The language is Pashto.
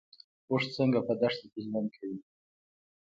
اوښ څنګه په دښته کې ژوند کوي؟